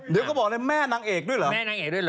เดี๋ยวก็บอกเลยแม่นางเอกด้วยเหรอ